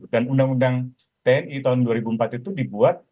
dan undang undang tni tahun dua ribu empat itu dibuat